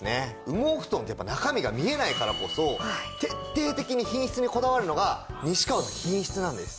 羽毛布団ってやっぱり中身が見えないからこそ徹底的に品質にこだわるのが西川の品質なんです。